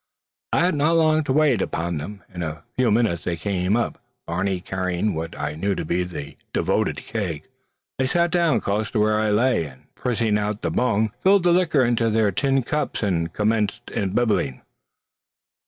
I had not long to wait upon them. In a few minutes they came up, Barney carrying what I knew to be the devoted keg. They sat down close to where I lay, and prising out the bung, filled the liquor into their tin cups, and commenced imbibing.